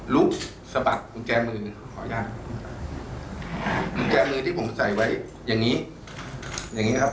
สะบัดกุญแจมือขออนุญาตกุญแจมือที่ผมใส่ไว้อย่างนี้อย่างงี้นะครับ